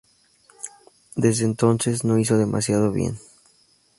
Desde entonces, no hizo demasiado bien.